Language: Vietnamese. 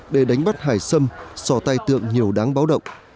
để đánh bắt hải xâm sò tay tượng nhiều đáng báo động